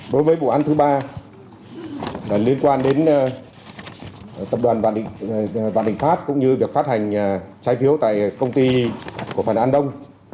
đối với vụ án thứ ba liên quan đến tập đoàn vạn định pháp cũng như việc phát hành trai phiếu tại công ty của phần an đông